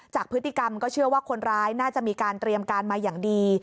จากพฤติกรรมก็เชื่อว่าคนร้ายน่าจะมีการเตรียมการมาอย่างดี